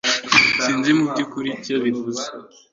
Sinzi mubyukuri icyo bivuze